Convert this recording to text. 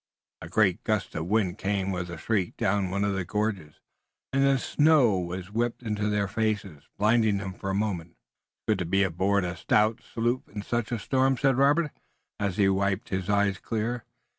A great gust of wind came with a shriek down one of the gorges, and the snow was whipped into their faces, blinding them for a moment. "It is good to be aboard a stout sloop in such a storm," said Robert, as he wiped his eyes clear.